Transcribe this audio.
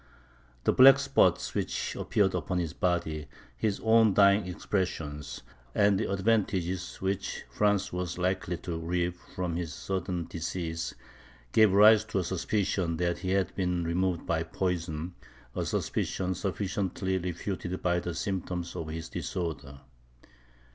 The black spots which appeared upon his body, his own dying expressions, and the advantages which France was likely to reap from his sudden decease, gave rise to a suspicion that he had been removed by poison a suspicion sufficiently refuted by the symptoms of his disorder.